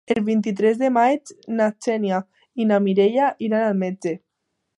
El vint-i-tres de maig na Xènia i na Mireia iran al metge.